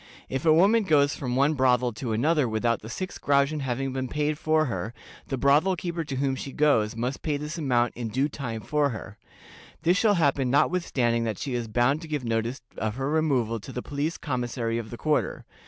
If a woman goes from one brothel to another without the six groschen having been paid for her, the brothel keeper to whom she goes must pay this amount in due time for her. This shall happen notwithstanding that she is bound to give notice of her removal to the police commissary of the quarter.